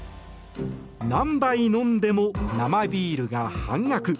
何杯飲んでも生ビールが半額！